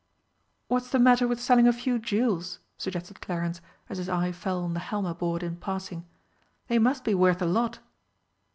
"What's the matter with selling a few jewels?" suggested Clarence, as his eye fell on the Halma board in passing, "they must be worth a lot."